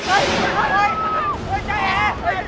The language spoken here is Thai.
อุ้ยเฮ้ย